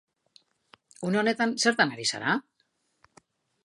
Une honetan, zertan ari zara?